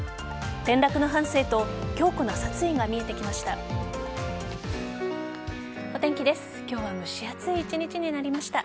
転落の半生と強固な殺意が見えてきました。